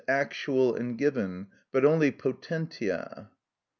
_, actual and given, but only potentiâ.